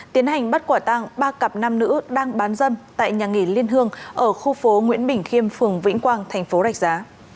tiến hành bắt quả tăng ba cặp nam nữ đang bán dâm tại nhà nghỉ liên hương ở khu phố nguyễn bình khiêm phường vĩnh quang thành phố rạch giá